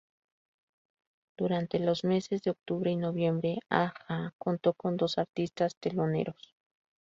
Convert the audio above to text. Durante los meses de octubre y noviembre, a-ha contó con dos artistas teloneros.